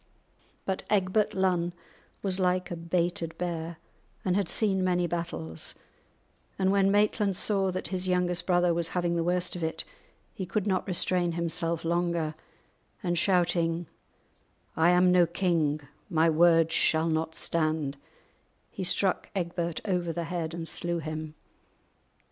But Egbert Lunn was like a baited bear and had seen many battles, and when Maitland saw that his youngest brother was having the worst of it, he could not restrain himself longer, and shouting, "I am no king; my word shall not stand," he struck Egbert over the head and slew him.